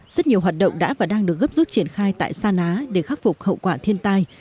rất nhiều hoạt động đã và đang được gấp rút triển khai tại sa ná để khắc phục hậu quả thiên tai